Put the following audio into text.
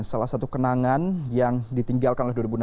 salah satu kenangan yang ditinggalkan oleh dua ribu enam belas